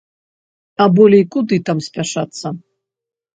А болей куды там спяшацца?